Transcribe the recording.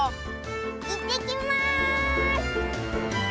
いってきます！